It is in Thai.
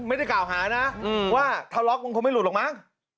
ไม่ได้กล่าวหานะว่าทะเลาะมันคงไม่หลุดหรอกมั้ง